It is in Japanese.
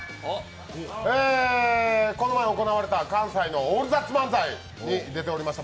この前行われた関西の「オールザッツ漫才」に出ておりました